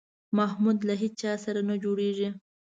محمود له هېچا سره نه جوړېږي.